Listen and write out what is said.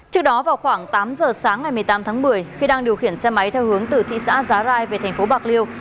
trước đó vào khoảng tám giờ sáng ngày một mươi tám tháng một mươi khi đang điều khiển xe máy theo hướng từ thị xã giá rai về thành phố bạc liêu